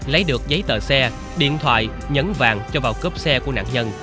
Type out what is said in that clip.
lấy được giấy tờ xe điện thoại nhấn vàng cho vào cốp xe của nạn nhân